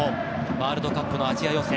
ワールドカップのアジア予選